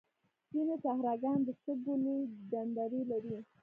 ځینې صحراګان د شګو لویې ډنډرې لري.